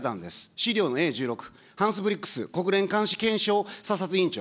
資料のＡ１６、ハンス・ブリックス国連監視検証査察委員長。